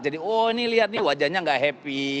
jadi oh ini lihat nih wajahnya gak happy